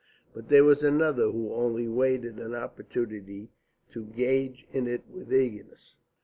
But there was another who only waited an opportunity to engage in it with eagerness.